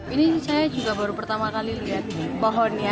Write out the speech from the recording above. ini saya juga baru pertama kali lihat pohonnya